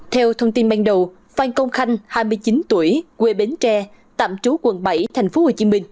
theo thông tin ban đầu phan công khanh hai mươi chín tuổi quê bến tre tạm trú quận bảy tp hcm